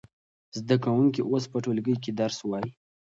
زده کوونکي اوس په ټولګي کې درس وايي.